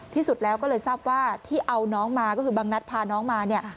ที่สุดแล้วก็เลยทราบว่าที่เอาน้องมาก็คือบางนัดพาน้องมาเนี่ย